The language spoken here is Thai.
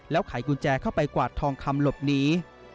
ไขกุญแจเข้าไปกวาดทองคำหลบหนี